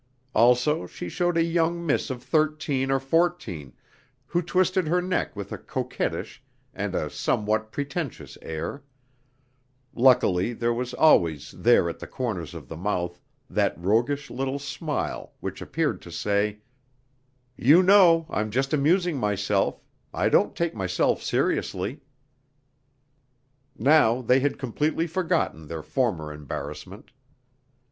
Also she showed a young miss of thirteen or fourteen who twisted her neck with a coquettish and a somewhat pretentious air; luckily there was always there at the corners of the mouth that roguish little smile which appeared to say: "You know, I'm just amusing myself; I don't taken myself seriously." Now they had completely forgotten their former embarrassment.